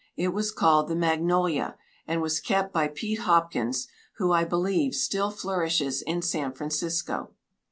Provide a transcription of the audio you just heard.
It was called the "Magnolia," and was kept by Pete Hopkins, who, I believe, still flourishes in San Francisco.